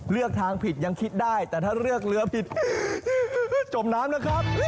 เลือกทางผิดยังคิดได้แต่ถ้าเลือกเรือผิดจมน้ำนะครับ